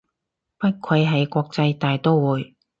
不愧係國際大刀會